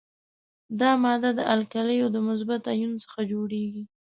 دا ماده د القلیو د مثبت آیون څخه جوړیږي.